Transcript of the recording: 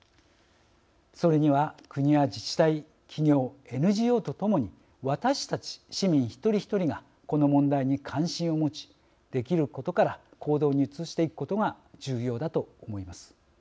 それには国や自治体、企業ＮＧＯとともに私たち市民一人一人がこの問題に関心を持ちできることから行動に移していくことが重要だと思います。